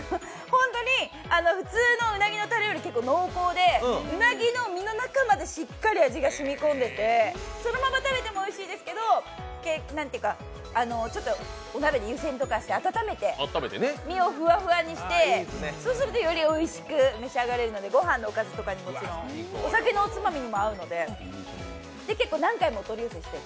本当に普通のうなぎのタレよりも濃厚でうなぎの身の中までしっかり味が染み込んでてそのまま食べてもおいしいですけど、ちょっとお鍋で湯煎とかしてあっためて身をふわふわにしてそうすると、よりおいしく召し上がれるので御飯のおかずにももちろん、お酒のおつまみにも合うので、結構何回もお取り寄せして。